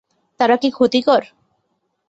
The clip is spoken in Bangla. তারা কি ক্ষতিকর?